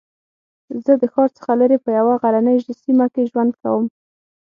زه د ښار څخه لرې په یوه غرنۍ سېمه کې ژوند کوم